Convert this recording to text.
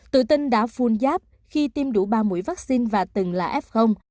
tự tin đã phun giáp khi tiêm đủ ba mũi vaccine và từng là f